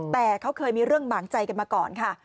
แต่เขาเคยมีเรื่องบางใจกันมาก่อนค่ะ